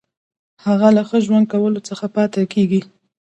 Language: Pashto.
هغه له ښه ژوند کولو څخه پاتې کیږي.